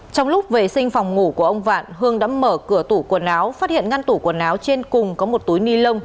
trong lúc vệ sinh phòng ngủ của ông vạn hương đã mở cửa tủ quần áo phát hiện ngăn tủ quần áo trên cùng có một túi ni lông